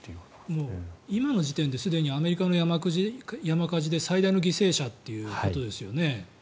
もう今の時点ですでにアメリカの山火事で最大の犠牲者っていうことですよね。